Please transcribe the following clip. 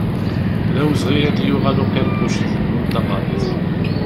D awezɣi ad d-yuɣal uqiṛquc deg yimi n taɣaḍt.